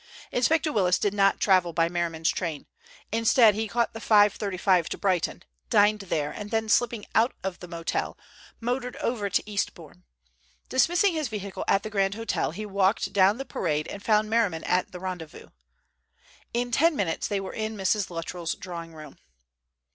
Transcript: Inspector Willis did not travel by Merriman's train. Instead he caught the 5.35 to Brighton, dined there, and then slipping out of the hotel, motored over to Eastbourne. Dismissing his vehicle at the Grand Hotel, he walked down the Parade and found Merriman at the rendezvous. In ten minutes they were in Mrs. Luttrell's drawing room.